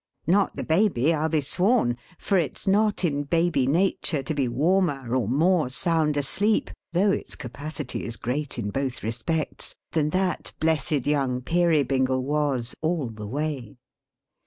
Not the Baby, I'll be sworn; for it's not in Baby nature to be warmer or more sound asleep, though its capacity is great in both respects, than that blessed young Peerybingle was, all the way.